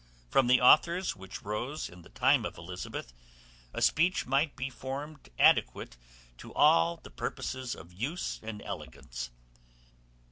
From the authors which rose in the time of Elizabeth, a speech might be formed adequate to all the purposes of use and elegance.